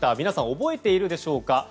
皆さん、覚えているでしょうか。